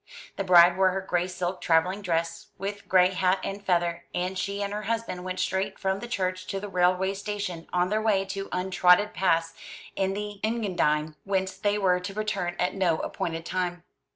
The bride wore her gray silk travelling dress, with gray hat and feather, and she and her husband went straight from the church to the railway station, on their way to untrodden paths in the Engadine, whence they were to return at no appointed time.